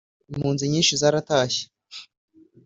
impunzi nyinshi zaratashye